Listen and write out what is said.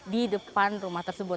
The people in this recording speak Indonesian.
di depan rumah tersebut